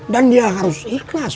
dan dia harus ikhlas